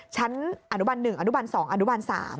ชั้นอนุบัน๑อนุบัน๒อนุบาล๓